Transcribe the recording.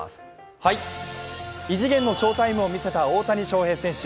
異次元の翔タイムを見せた大谷翔平選手。